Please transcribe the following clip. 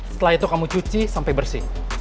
setelah itu kamu cuci sampai bersih